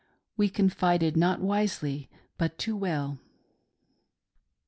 We confided not wisely, but too well.